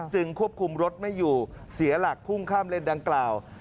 ควบคุมรถไม่อยู่เสียหลักพุ่งข้ามเลนดังกล่าว